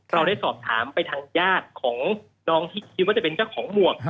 เราได้สอบถามไปทางญาติของน้องที่คิดว่าจะเป็นเจ้าของหมวก